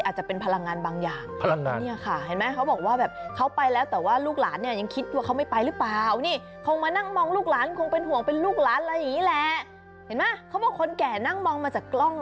เห็นไหมเขาบอกคนแก่นั่งมองมาจากกล้อง